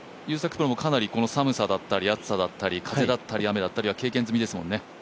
プロも寒さだったり暑さだったり風だったり雨だったりは、経験済みですもんね？